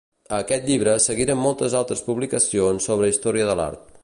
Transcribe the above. A aquest llibre seguiren moltes altres publicacions sobre història de l'art.